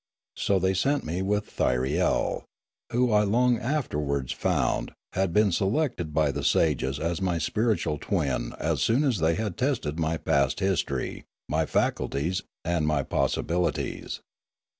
So they sent with me Thyriel, who, I long afterwards found, had been selected by the sages as my spiritual twin as soon as they had tested my past history, my faculties, and my possibilities.